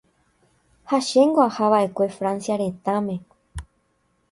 Ha chéngo ahava'ekue Francia retãme.